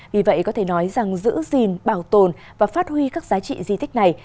vì vậy có thể nói rằng giữ gìn bảo tồn và phát huy các giá trị di tích này